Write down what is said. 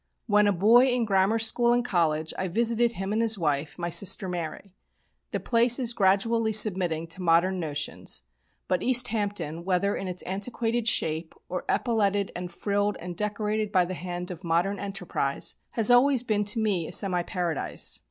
When a boy in grammar school and college I visited him and his wife, my sister Mary. The place is gradually submitting to modern notions, but East Hampton, whether in its antiquated shape or epauletted and frilled and decorated by the hand of modern enterprise, has always been to me a semi Paradise.